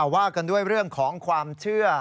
ว่ากันด้วยเรื่องของความเชื่อ